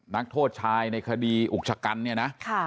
นักโทษชายในคดีอุกชกรัน